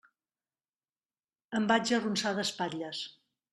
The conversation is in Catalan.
Em vaig arronsar d'espatlles.